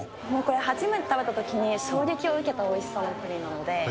初めて食べたときに、衝撃を受けたおいしさのプリンなので。